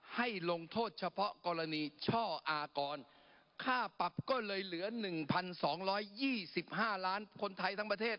ให้ลงโทษเฉพาะกรณีช่ออากรค่าปรับก็เลยเหลือ๑๒๒๕ล้านคนไทยทั้งประเทศ